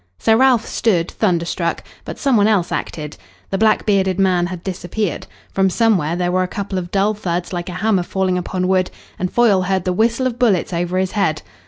Sir Ralph stood thunderstruck, but some one else acted. The black bearded man had disappeared. From somewhere there were a couple of dull thuds like a hammer falling upon wood, and Foyle heard the whistle of bullets over his head.